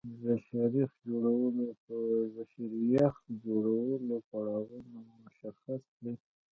د شیریخ جوړولو پړاوونه مشخص کړئ.